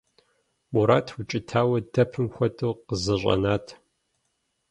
Мурат, укӀытауэ, дэпым хуэдэу къызэщӀэнат.